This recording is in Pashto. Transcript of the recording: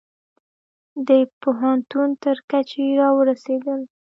د پوهنتون تر کچې را ورسیدل